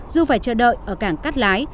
dù phải chờ đợi ở cảng cắt lái